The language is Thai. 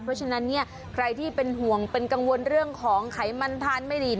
เพราะฉะนั้นเนี่ยใครที่เป็นห่วงเป็นกังวลเรื่องของไขมันทานไม่ดี